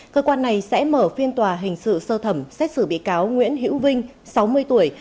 cơ quan này sẽ mở phiên tòa hình sự sơ thẩm xét xử bị cáo nguyễn hữu vinh sáu mươi tuổi